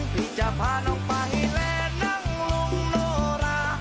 ที่จะพาน้องไปและนั่งลงโนรา